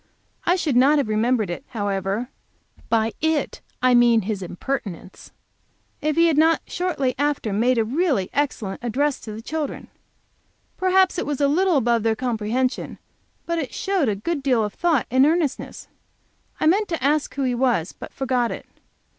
I should not have remembered it, however by it I mean his impertinence if he had not shortly after made a really excellent address to the children. Perhaps it was a little above their comprehension, but it showed a good deal of thought and earnestness. I meant to ask who he was, but forgot it.